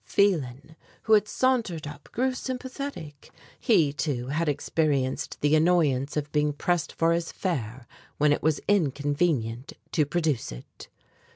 Phelan, who had sauntered up, grew sympathetic. He, too, had experienced the annoyance of being pressed for his fare when it was inconvenient to produce it.